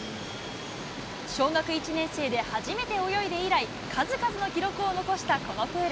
小学１年生で初めて泳いで以来、数々の記録を残したこのプール。